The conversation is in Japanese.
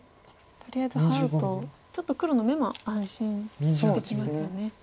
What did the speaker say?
とりあえずハウとちょっと黒の眼も安心してきますよね。